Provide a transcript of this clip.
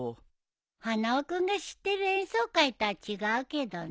花輪君が知ってる演奏会とは違うけどね。